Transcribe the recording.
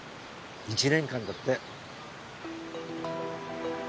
１年間だって。